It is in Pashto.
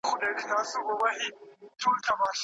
روغتيايي وسايل ناروغي ژر تشخيصوي او د درملنې بهير آسانه کوي.